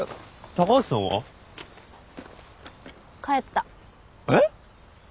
帰った。